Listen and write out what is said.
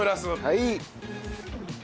はい。